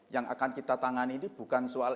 yang akan kita tangani ini bukan soal